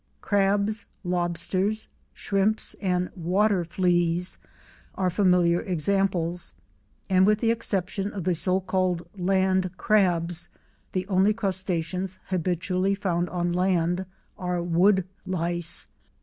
Crabs, lobsters, shrimps and "water fleas" are familiar examples, and with the exception of the so called land crabs the only Crustaceans habitually found on land are wood lice.